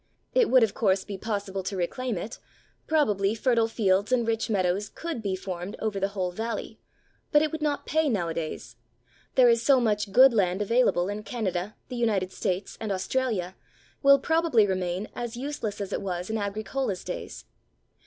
It would, of course, be possible to reclaim it; probably, fertile fields and rich meadows could be formed over the whole valley, but it would not pay nowadays. There is so much good land available in Canada, the United States, and Australia, that this great stretch of our native country will probably remain as useless as it was in Agricola's days.